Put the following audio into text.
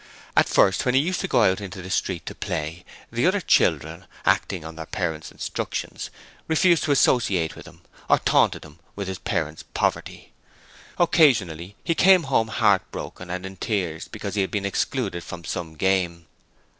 At first when he used to go out into the street to play, the other children, acting on their parents' instructions, refused to associate with him, or taunted him with his parents' poverty. Occasionally he came home heartbroken and in tears because he had been excluded from some game.